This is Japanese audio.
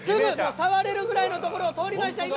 触れるぐらいのところを通りました。